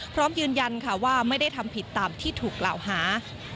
พร้อมยืนยันค่ะว่าไม่ได้ทำผิดตามที่ถูกกล่าวหา